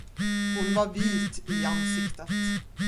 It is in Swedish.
Hon var vit i ansiktet.